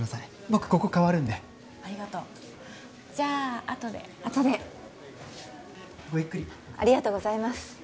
僕ここ代わるんでありがとうじゃああとであとでごゆっくりありがとうございます